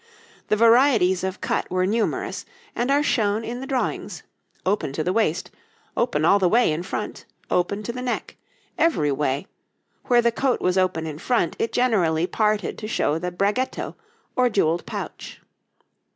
The varieties of cut were numerous, and are shown in the drawings open to the waist, open all the way in front, close to the neck every way; where the coat was open in front it generally parted to show the bragetto, or jewelled pouch.